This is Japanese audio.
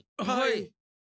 はい。